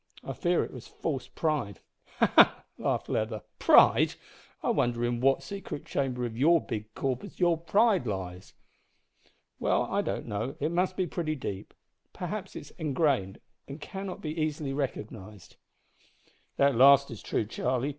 I fear it was false pride " "Ha! ha!" laughed Leather; "`pride!' I wonder in what secret chamber of your big corpus your pride lies." "Well, I don't know. It must be pretty deep. Perhaps it is engrained, and cannot be easily recognised." "That last is true, Charlie.